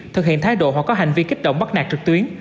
thực hiện thái độ hoặc có hành vi kích động bắt nạc trực tuyến